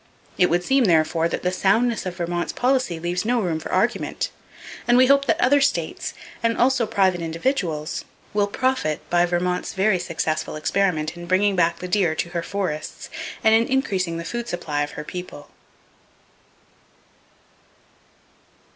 It would seem, therefore, that the soundness of Vermont's policy leaves no room for argument; and we hope that other states, and also private individuals, will profit by Vermont's very successful experiment in bringing back the deer to her forests, and in increasing the food supply of her people.